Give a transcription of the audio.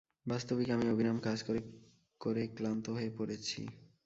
বাস্তবিক আমি অবিরাম কাজ করে করে ক্লান্ত হয়ে পড়েছি।